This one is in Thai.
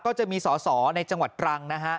ก็จะมีสอในจังหวัดตรัง